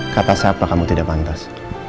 kata siapa kamu tidak pantas